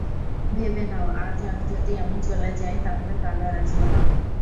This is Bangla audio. ভেবে নাও, আজ যদি আমি চলে যাই তাহলে কাল আর আসব না।